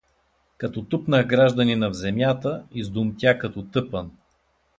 Като тупнах гражданина в земята, издумтя като тъпан!